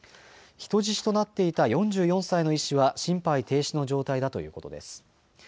人質となっていた４４歳の医師は心肺停止の状態だということです。